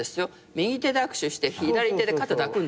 右手で握手して左手で肩抱くんですよ。